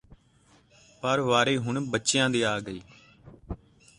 ਪਰ ਹੁਣ ਵਾਰੀ ਬੱਚਿਆਂ ਦੀ ਆ ਗਈ